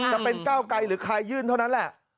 จะเป็นก้าวไกลหรือใครยื่นเท่านั้นแหละ